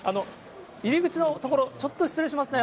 入り口の所、ちょっと失礼しますね。